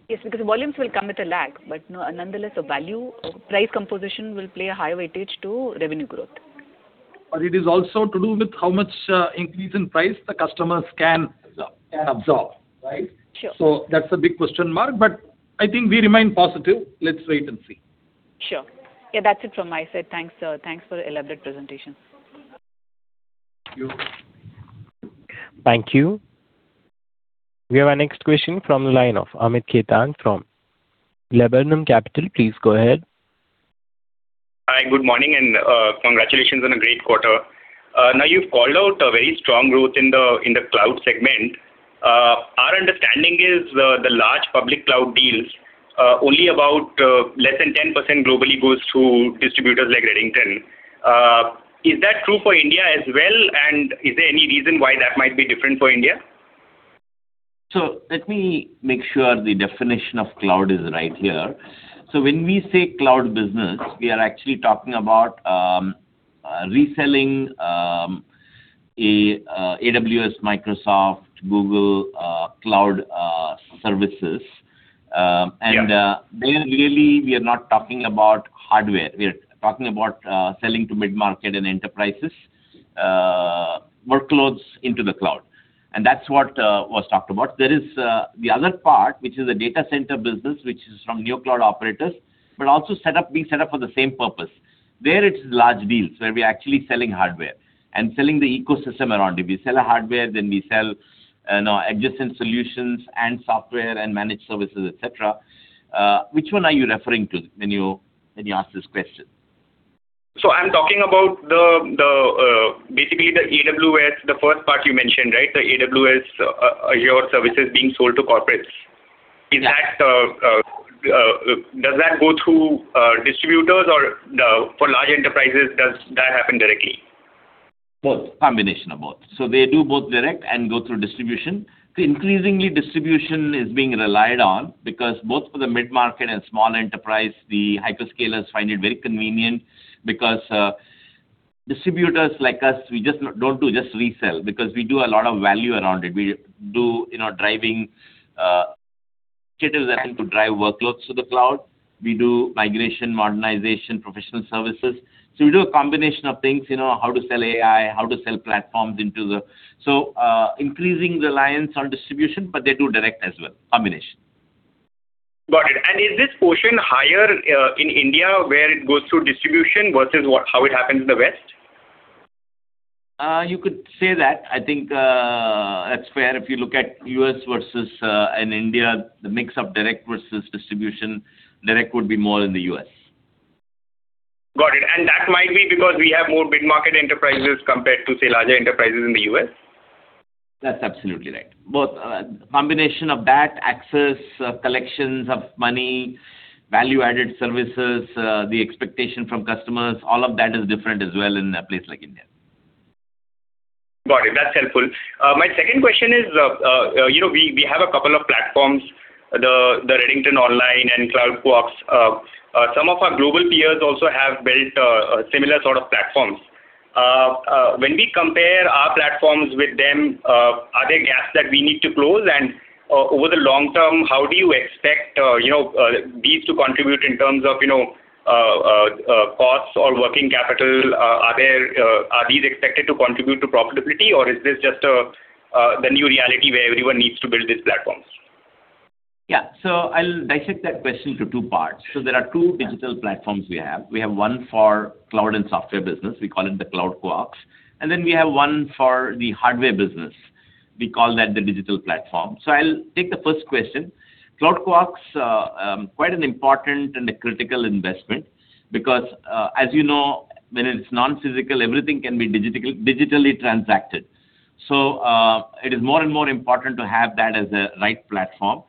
Yes, because the volumes will come with a lag, nonetheless, the value, price composition will play a higher weightage to revenue growth. It is also to do with how much increase in price the customers can absorb, right? Sure. That's a big question mark, but I think we remain positive. Let's wait and see. Sure. Yeah, that's it from my side. Thanks. Thanks for the elaborate presentation. Thank you. Thank you. We have our next question from the line of Amit Khetan from Laburnum Capital. Please go ahead. Hi, good morning and congratulations on a great quarter. Now you've called out a very strong growth in the cloud segment. Our understanding is the large public cloud deals, only about less than 10% globally goes to distributors like Redington. Is that true for India as well? Is there any reason why that might be different for India? Let me make sure the definition of cloud is right here. When we say cloud business, we are actually talking about reselling AWS, Microsoft, Google Cloud Services. Yeah. There really, we are not talking about hardware. We are talking about selling to mid-market and enterprises, workloads into the cloud. That's what was talked about. There is the other part, which is a data center business, which is from new cloud operators, but also being set up for the same purpose. There, it's large deals, where we're actually selling hardware and selling the ecosystem around it. We sell a hardware, then we sell adjacent solutions and software and managed services, et cetera. Which one are you referring to when you ask this question? I'm talking about basically the AWS, the first part you mentioned, right? The AWS Azure services being sold to corporates. Yeah. Does that go through distributors, or for large enterprises, does that happen directly? Both. Combination of both. They do both direct and go through distribution. Increasingly, distribution is being relied on because both for the mid-market and small enterprise, the hyperscalers find it very convenient because distributors like us, we don't do just resell. We do a lot of value around it. We do driving to drive workloads to the cloud. We do migration, modernization, professional services. We do a combination of things, how to sell AI, how to sell platforms into the Increasing reliance on distribution, but they do direct as well. Combination. Got it. Is this portion higher in India, where it goes through distribution, versus how it happens in the West? You could say that. I think that's fair. If you look at U.S. and India, the mix of direct versus distribution, direct would be more in the U.S. That might be because we have more big market enterprises compared to, say, larger enterprises in the U.S.? That's absolutely right. Both. Combination of that, access, collections of money, value-added services, the expectation from customers, all of that is different as well in a place like India. Got it. That's helpful. My second question is, we have a couple of platforms, the Redington Online and CloudQuarks. Some of our global peers also have built similar sort of platforms. When we compare our platforms with them, are there gaps that we need to close? Over the long-term, how do you expect these to contribute in terms of costs or working capital? Are these expected to contribute to profitability, or is this just the new reality where everyone needs to build these platforms? Yeah. I'll dissect that question to two parts. There are two digital platforms we have. We have one for cloud and software business. We call it the CloudQuarks. We have one for the hardware business. We call that the digital platform. I'll take the first question. CloudQuarks, quite an important and a critical investment because, as you know, when it's non-physical, everything can be digitally transacted. It is more and more important to have that as a right platform.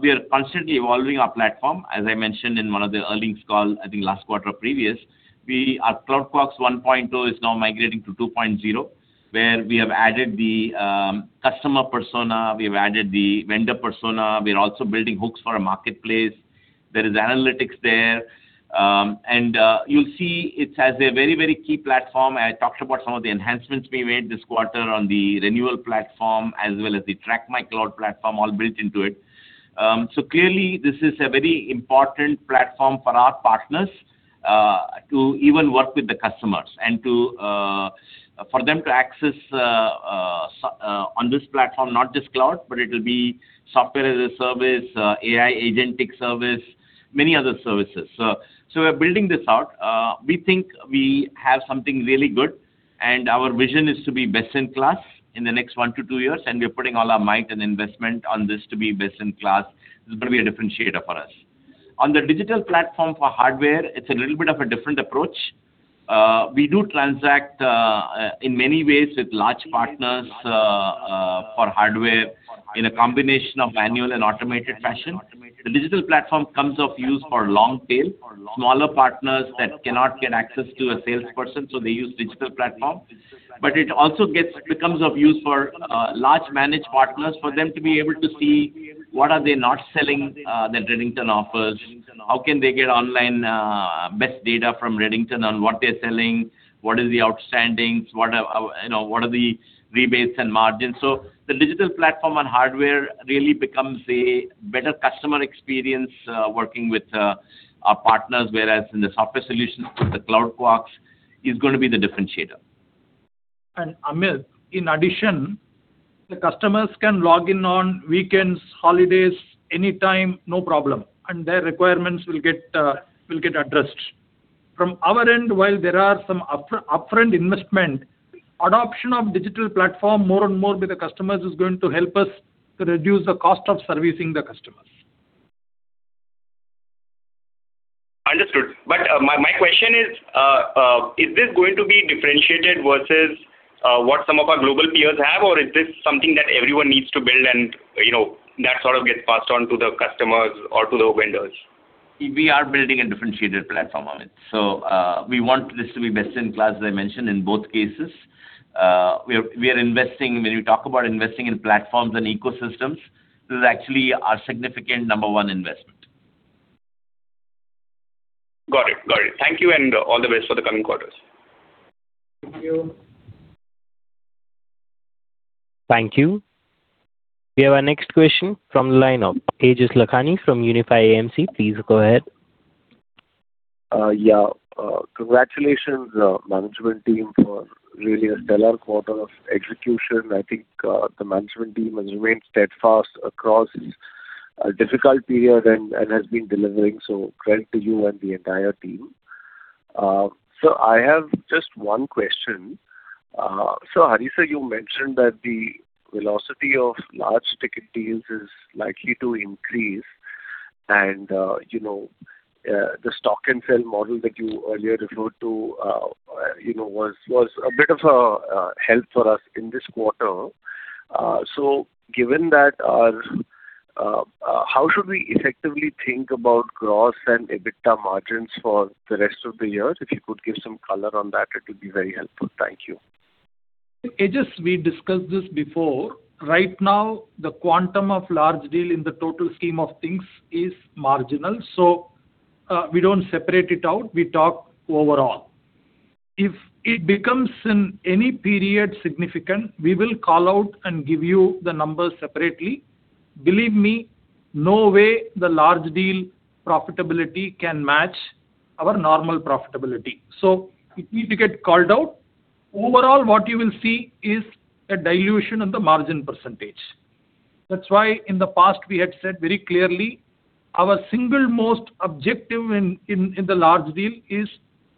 We are constantly evolving our platform. As I mentioned in one of the earnings call, I think last quarter or previous, our CloudQuarks 1.0 is now migrating to 2.0, where we have added the customer persona, we've added the vendor persona. We're also building hooks for a marketplace. There is analytics there. You'll see it has a very key platform. I talked about some of the enhancements we made this quarter on the renewal platform, as well as the TrackMyCloud platform all built into it. This is a very important platform for our partners to even work with the customers and for them to access on this platform, not just cloud, but it'll be software as a service, agentic AI service, many other services. We're building this out. We think we have something really good, and our vision is to be best in class in the next one to two years, and we're putting all our might and investment on this to be best in class. This is going to be a differentiator for us. On the digital platform for hardware, it's a little bit of a different approach. We do transact in many ways with large partners for hardware in a combination of manual and automated fashion. The digital platform comes of use for long tail, smaller partners that cannot get access to a salesperson, so they use digital platform. It also becomes of use for large managed partners, for them to be able to see what are they not selling that Redington offers. How can they get online best data from Redington on what they're selling? What is the outstandings? What are the rebates and margins? The digital platform on hardware really becomes a better customer experience working with our partners, whereas in the software solutions, the CloudQuarks is going to be the differentiator. Amit, in addition, the customers can log in on weekends, holidays, anytime, no problem, and their requirements will get addressed. From our end, while there are some upfront investment, adoption of digital platform more and more with the customers is going to help us to reduce the cost of servicing the customers. Understood. My question is this going to be differentiated versus what some of our global peers have, or is this something that everyone needs to build, and that sort of gets passed on to the customers or to the vendors? We are building a differentiated platform on it. We want this to be best in class, as I mentioned, in both cases. When you talk about investing in platforms and ecosystems, this is actually our significant number one investment. Got it. Thank you, and all the best for the coming quarters. Thank you. Thank you. We have our next question from the line of Aejas Lakhani from Unifi AMC. Please go ahead. Congratulations, management team, for really a stellar quarter of execution. I think the management team has remained steadfast across this difficult period and has been delivering. Credit to you and the entire team. I have just one question. Hari, sir, you mentioned that the velocity of large ticket deals is likely to increase and the stock and sell model that you earlier referred to was a bit of a help for us in this quarter. Given that, how should we effectively think about gross and EBITDA margins for the rest of the year? If you could give some color on that, it would be very helpful. Thank you. Aejas, we discussed this before. Right now, the quantum of large deal in the total scheme of things is marginal. We don't separate it out, we talk overall. If it becomes, in any period, significant, we will call out and give you the numbers separately. Believe me, no way the large deal profitability can match our normal profitability. It need to get called out. Overall, what you will see is a dilution of the margin percentage. That's why in the past we had said very clearly, our single-most objective in the large deal is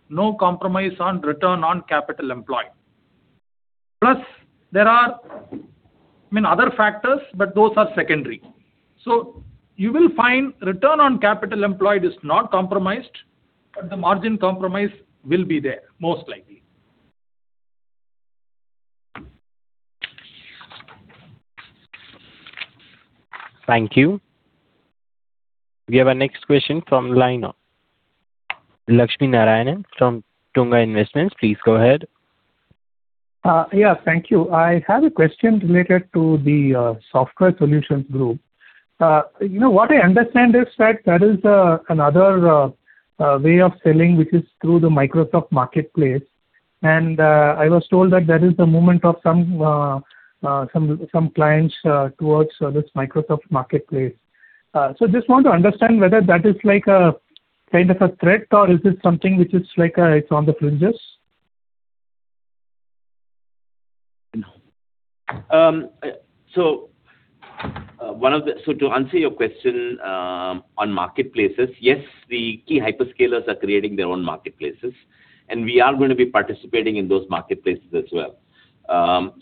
no compromise on return on capital employed. Plus, there are other factors, but those are secondary. You will find return on capital employed is not compromised, but the margin compromise will be there, most likely. Thank you. We have our next question from line of Lakshminarayanan from Tunga Investments. Please go ahead. Thank you. I have a question related to the Software Solutions Group. What I understand is that there is another way of selling, which is through the Microsoft Marketplace, and I was told that there is a movement of some clients towards this Microsoft Marketplace. Just want to understand whether that is kind of a threat or is this something which is on the fringes? To answer your question on marketplaces, yes, the key hyperscalers are creating their own marketplaces, we are going to be participating in those marketplaces as well.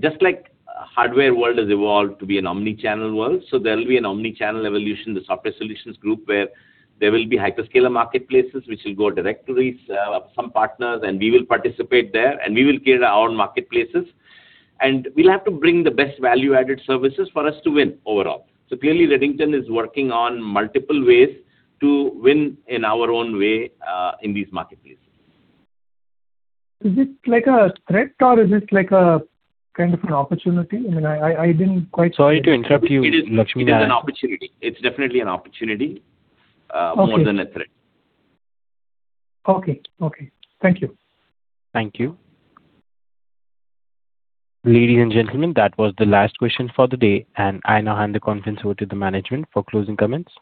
Just like hardware world has evolved to be an omnichannel world, there will be an omnichannel evolution in the Software Solutions Group where there will be hyperscaler marketplaces, which will go directories of some partners, we will participate there, we will create our own marketplaces. We'll have to bring the best value-added services for us to win overall. Clearly, Redington is working on multiple ways to win in our own way in these marketplaces. Is it like a threat or is it like a kind of an opportunity? I didn't quite- Sorry to interrupt you, Lakshminarayanan. It is an opportunity. It's definitely an opportunity- Okay more than a threat. Okay, okay. Thank you. Thank you. Ladies and gentlemen, that was the last question for the day, and I now hand the conference over to the management for closing comments.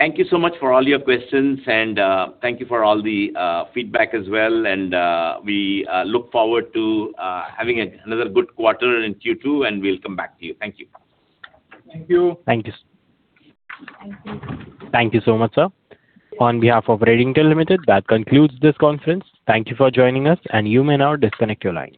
Thank you so much for all your questions and thank you for all the feedback as well. We look forward to having another good quarter in Q2, and we'll come back to you. Thank you. Thank you. Thank you. Thank you. Thank you so much, sir. On behalf of Redington Limited, that concludes this conference. Thank you for joining us, and you may now disconnect your line.